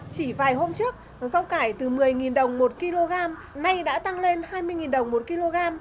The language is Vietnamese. chỉ vài hôm trước rau cải từ một mươi đồng một kg nay đã tăng lên hai mươi đồng một kg